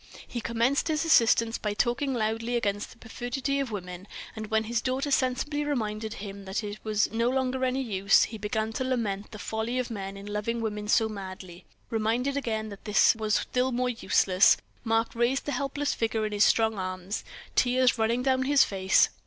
He commenced his assistance by talking loudly against the perfidy of women; and when his daughter sensibly reminded him that that was no longer any use, he began to lament the folly of men in loving women so madly; reminded again that this was still more useless, Mark raised the helpless figure in his strong arms, tears running down his face.